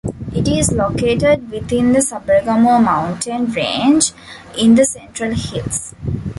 It is located within the Sabaragamuwa mountain range in the central hills.